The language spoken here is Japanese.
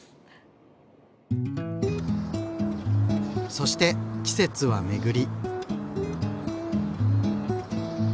そして季節はめぐり。